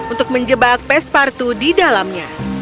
untuk menjebak pespartu di dalamnya